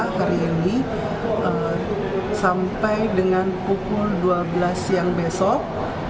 hari ini sampai dengan pukul dua belas siang besok